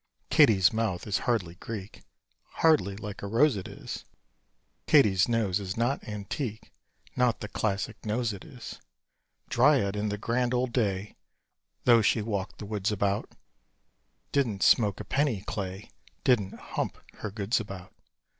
Katie's mouth is hardly Greek Hardly like a rose it is: Katie's nose is not antique Not the classic nose it is. Dryad in the grand old day, Though she walked the woods about, Didn't smoke a penny clay Didn't "hump" her goods about.